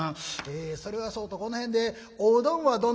「えそれはそうとこの辺でおうどんはどんなもんで？」。